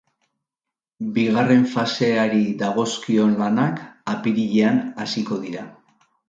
Bigaren faseari dagozkion lanak apirilean hasiko dira.